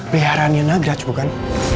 peliharaannya nagraj bukan